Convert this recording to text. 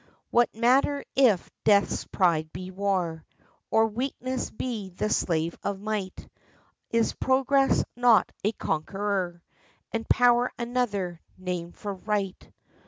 What matter if Death's pride be War, Or Weakness be the slave of Might ; Is Progress not a conqueror, And Power another name for Right